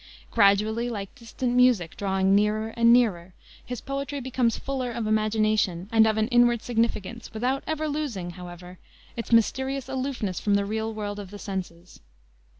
Gradually, like distant music drawing nearer and nearer, his poetry becomes fuller of imagination and of an inward significance, without ever losing, however, its mysterious aloofness from the real world of the senses.